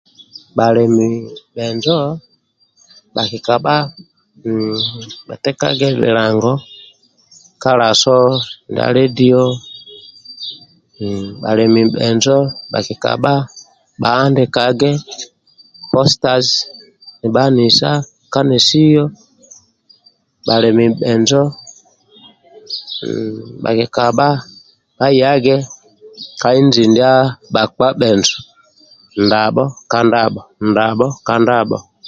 Bhalemi bhenjo bhakikabha hhh bhatekage bilango ka laso ndia ledio bhalemi bhenjo hakikabha bhahandilage positiza nibhabisa ka nesiyo bhalemi bhenjo hhh bhakikabha bhayage ka inji ndia bhakpa bhenjo ndabho ka ndabho ndabho ka ndabho